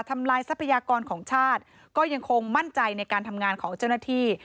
ทำลายทรัพยากรของชาติก็ยังคงมั่นใจในการทำงานของเจ้าหน้าที่